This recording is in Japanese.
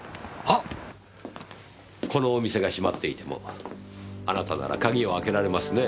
このお店が閉まっていてもあなたなら鍵を開けられますね？